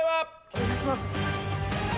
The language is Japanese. お願いします。